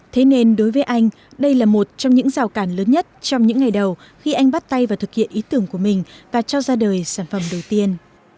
thế nên đối với anh đây là một trong những rào cản lớn nhất trong những ngày đầu khi anh bắt tay vào thực hiện ý tưởng của mình và cho ra đời sản phẩm đầu tiên